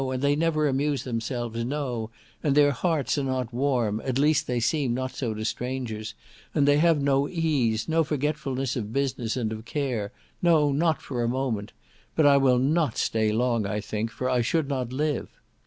and they never amuse themselves—no; and their hearts are not warm, at least they seem not so to strangers; and they have no ease, no forgetfulness of business and of care—no, not for a moment. But I will not stay long, I think, for I should not live."